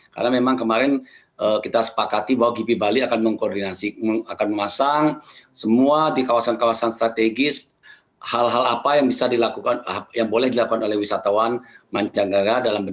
karena memang kemarin kita sepakati bahwa gipi bali akan mengkoordinasi akan memasang semua di kawasan kawasan strategis hal hal apa yang bisa dilakukan yang boleh dilakukan oleh wisatawan manjang garang dan lain lain